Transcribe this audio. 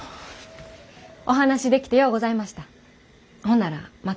お話しできてようございました。